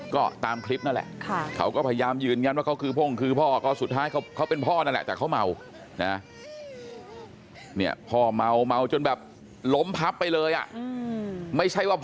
ก็ตามคลิปนั่นแหละ